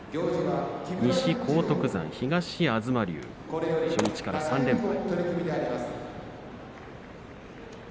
西荒篤山、東が東龍初日から３連敗。